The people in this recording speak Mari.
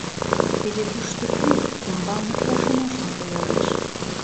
Теве тушто кӧ — умбалне Ошын-ошын коялеш?